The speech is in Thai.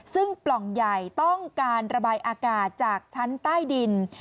ซึ่งปล่องใหญ่ต้องการระบายอากาศจากชั้นใต้ดิน